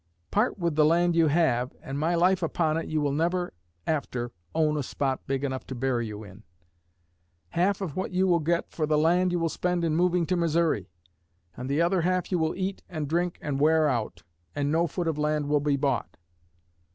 Part with the land you have, and, my life upon it, you will never after own a spot big enough to bury you in. Half of what you will get for the land you will spend in moving to Missouri, and the other half you will eat and drink and wear out, and no foot of land will be bought.